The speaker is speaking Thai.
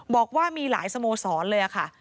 บอกว่ามีหลายสโมสรเลยค่ะ